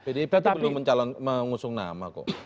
pdip itu belum mengusung nama kok